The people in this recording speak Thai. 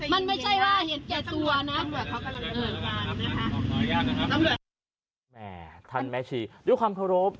มันไม่ใช่ว่าเห็นแก่ตัวนะขออนุญาตนะครับท่านแม่ชีด้วยความเคารพ